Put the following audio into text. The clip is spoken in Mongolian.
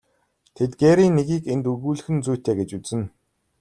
Тэдгээрийн нэгийг энд өгүүлэх нь зүйтэй гэж үзнэ.